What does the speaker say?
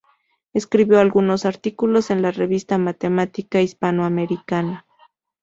Escribió algunos artículos en la Revista Matemática Hispano-Americana.